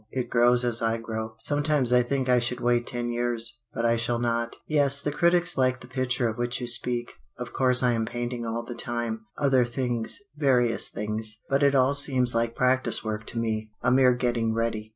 It grows as I grow. Sometimes I think I should wait ten years but I shall not. "Yes, the critics like the picture of which you speak. Of course I am painting all the time other things various things. But it all seems like practice work to me a mere getting ready."